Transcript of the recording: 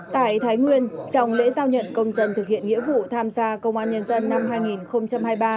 tại thái nguyên trong lễ giao nhận công dân thực hiện nghĩa vụ tham gia công an nhân dân năm hai nghìn hai mươi ba